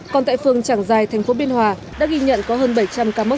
còn tại phương tràng giài thành phố biên hòa đã ghi nhận có hơn bảy trăm linh ca mất